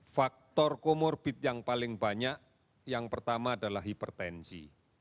faktor komorbid yang paling banyak yang pertama adalah hipertensi